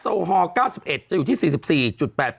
พี่โอ๊คบอกว่าเขินถ้าต้องเป็นเจ้าภาพเนี่ยไม่ไปร่วมงานคนอื่นอะได้